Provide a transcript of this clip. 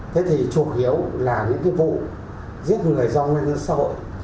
thế thì chuộc hiếu là những vụ giết người do nguyên nhân xã hội